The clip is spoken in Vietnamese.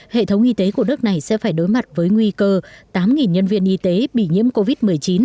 hệ thống y tế của nước này sẽ phải đối mặt với nguy cơ tám nhân viên y tế bị nhiễm covid một mươi chín